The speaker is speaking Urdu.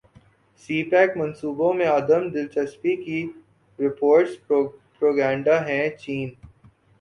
سی پیک منصوبوں میں عدم دلچسپی کی رپورٹس پروپیگنڈا ہیں چین